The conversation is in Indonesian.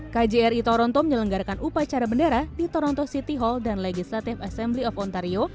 kjri toronto menyelenggarakan upacara bendera di toronto city hall dan legislative assembly of ontario